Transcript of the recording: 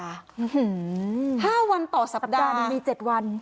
หือหือห้าวันต่อสัปดาห์สัปดาห์นั้นมีเจ็ดวัน